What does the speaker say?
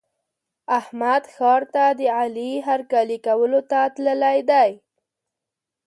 احمد ښار ته د علي هرکلي کولو ته تللی دی.